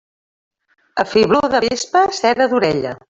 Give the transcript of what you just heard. A fibló de vespa, cera d'orella.